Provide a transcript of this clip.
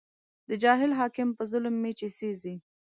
د جاهل حاکم په ظلم مې چې سېزې